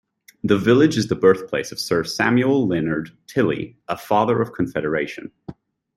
The village is the birthplace of Sir Samuel Leonard Tilley, a Father of Confederation.